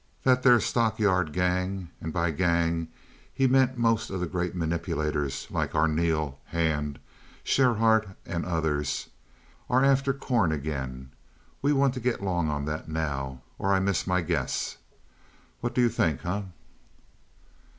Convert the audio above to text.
"That there Stock Yards gang" (and by gang he meant most of the great manipulators, like Arneel, Hand, Schryhart and others) "are after corn again. We want to git long o' that now, or I miss my guess. What do you think, huh?"